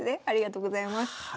ありがとうございます。